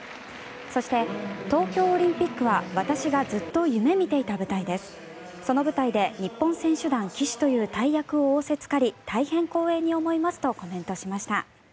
そして、東京オリンピックは私がずっと夢見ていた舞台ですその舞台で日本選手団旗手という大役を仰せつかり大変光栄に思いますとコメントしました。